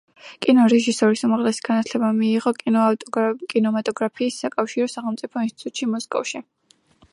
კინორეჟისორის უმაღლესი განათლება მიიღო კინემატოგრაფიის საკავშირო სახელმწიფო ინსტიტუტში, მოსკოვში.